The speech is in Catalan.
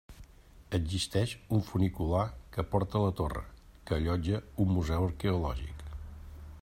Existeix un funicular que porta a la torre, que allotja un museu arqueològic.